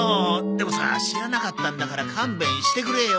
でもさ知らなかったんだから勘弁してくれよ。